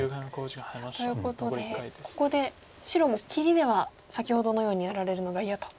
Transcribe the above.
さあということでここで白も切りでは先ほどのようにやられるのが嫌と。